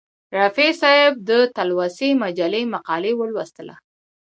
رفیع صاحب د تلوسې مجلې مقاله ولوستله.